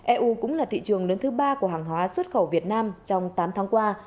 eu cũng là thị trường lớn thứ ba của hàng hóa xuất khẩu việt nam trong tám tháng qua